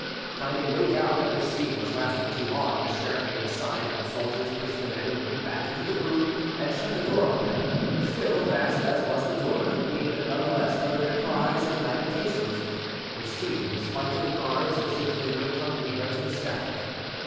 Finding, no doubt, that this scene was lasting too long, the sheriff made a sign, and the soldiers pushed the men and women back into the room and shut the door on them; still, fast as was the door, the queen none the less heard their cries and lamentations, which seemed, in spite of the guards, as if they would accompany her to the scaffold.